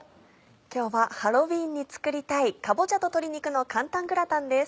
今日はハロウィーンに作りたい「かぼちゃと鶏肉の簡単グラタン」です。